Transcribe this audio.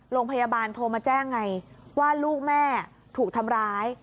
โรงพยาบาลโทรมาแจ้งไงว่าลูกแม่ถูกทำร้าย